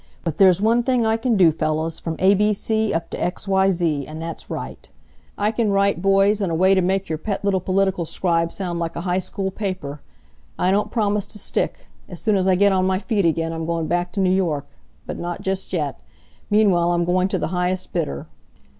But there's one thing I can do, fellows, from abc up to xyz, and that's write. I can write, boys, in a way to make your pet little political scribe sound like a high school paper. I don't promise to stick. As soon as I get on my feet again I'm going back to New York. But not just yet. Meanwhile, I'm going to the highest bidder.'